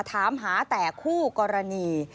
ถามหาแต่คู่กรณี